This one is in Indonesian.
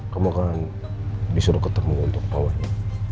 kamu kan disuruh ketemu untuk awalnya